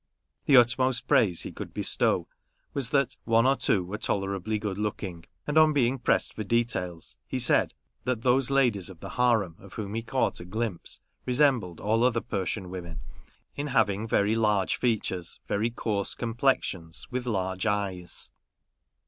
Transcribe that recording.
The utmost praise he could bestow was, that " one or two were tolerably good looking ;" and, on being pressed for details, he said that those ladies of the harem of whom he caught a glimpse resembled all other Persian women, in having very large features, very coarse complexions, with large eyes.